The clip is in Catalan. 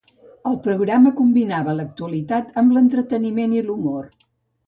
El programa combinava l'actualitat amb l'entreteniment i l'humor.